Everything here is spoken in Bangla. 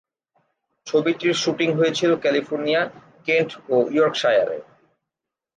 ছবিটির শ্যুটিং হয়েছিল ক্যালিফোর্নিয়া, কেন্ট ও ইয়র্কশায়ার।